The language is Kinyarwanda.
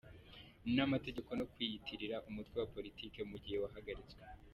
n’amategeko no kwiyitirira umutwe wa politiki mu gihe wahagaritswe